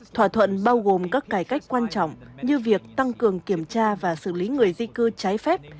thỏa thuận bao gồm các cải cách quan trọng như việc tăng cường kiểm tra và xử lý người di cư trái phép